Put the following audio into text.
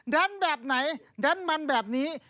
แบบไหนดันมันแบบนี้